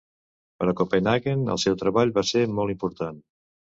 Per a Copenhaguen el seu treball va ser molt important.